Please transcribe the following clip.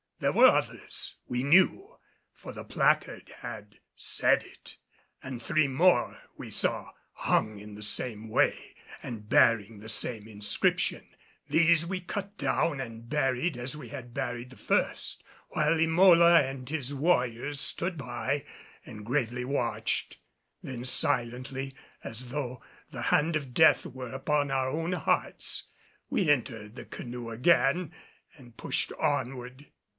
There were others, we knew, for the placard had said it, and three more we saw hung in the same way and bearing the same inscription. These we cut down and buried as we had buried the first, while Emola and his warriors stood by and gravely watched. Then silently as though the hand of death were upon our own hearts, we entered the canoe again and pushed onward.